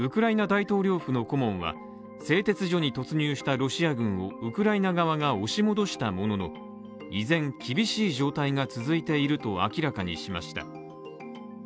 大統領府の顧問は製鉄所に突入したロシア軍をウクライナ側が押し戻したものの、依然厳しい状態が続いていると明らかにしました。